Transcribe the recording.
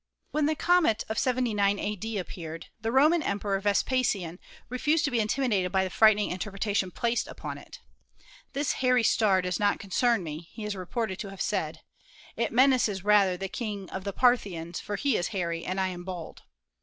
When the comet of 79 a.d. appeared, the Roman Emperor Vespasian refused to be intimidated by the frightening in terpretation placed upon it. 'This hairy star does not concern me," he is reported to have said; "it menaces rather the King of the Parthians, for he is hairy and I am bald."